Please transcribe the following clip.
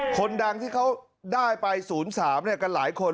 คนดังที่เขาได้ไป๐๓กันหลายคน